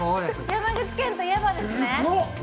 山口県といえばですね！